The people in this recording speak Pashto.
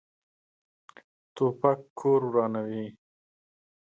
توپک کور ورانوي.